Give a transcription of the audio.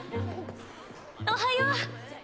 おはよう。